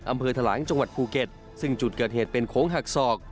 ทะลังจังหวัดภูเก็ตซึ่งจุดเกิดเหตุเป็นโค้งหักศอก